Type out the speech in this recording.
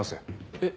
えっ。